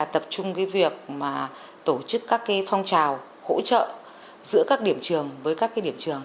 trong việc tổ chức các phong trào hỗ trợ giữa các điểm trường với các điểm trường